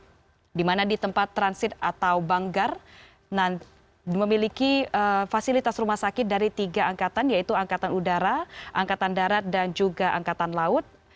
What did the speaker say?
di mana di tempat transit atau banggar memiliki fasilitas rumah sakit dari tiga angkatan yaitu angkatan udara angkatan darat dan juga angkatan laut